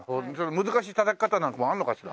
難しいたたき方なんかもあるのかしら？